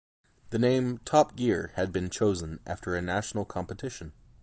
The name, Top Gear, had been chosen after a national competition.